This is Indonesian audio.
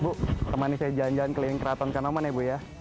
bu temani saya jalan jalan keliling keraton kanoman ya bu ya